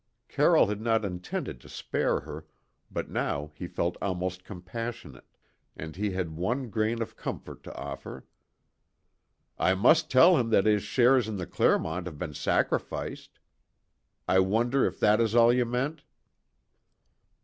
Carroll had not intended to spare her, but now he felt almost compassionate, and he had one grain of comfort to offer. "I must tell him that his shares in the Clermont have been sacrificed. I wonder if that is all you meant?"